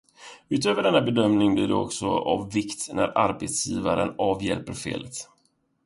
Utöver denna bedömning blir det också av vikt när arbetsgivaren avhjälper felet.